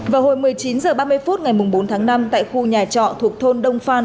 vào hồi một mươi chín h ba mươi phút ngày bốn tháng năm tại khu nhà trọ thuộc thôn đông phan